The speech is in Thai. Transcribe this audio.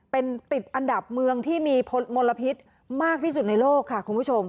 เป็นติดอันดับเมืองที่มีมลพิษมากที่สุดในโลกค่ะคุณผู้ชม